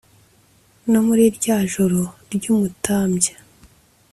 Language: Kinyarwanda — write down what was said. no muri rya joro ry'umutambya